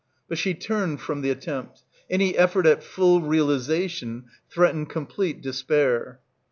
But she turned from the attempt — any effort at full realisation threatened complete despair.